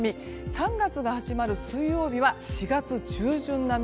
３月が始まる水曜日は４月中旬並み。